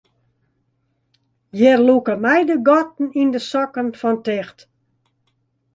Hjir lûke my de gatten yn de sokken fan ticht.